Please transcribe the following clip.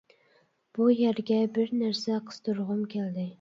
بۇ يەرگە بىر نەرسە قىستۇرغۇم كەلدى.